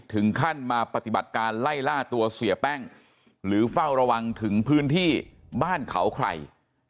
ถึงขั้นมาปฏิบัติการไล่ล่าตัวเสียแป้งหรือเฝ้าระวังถึงพื้นที่บ้านเขาใคร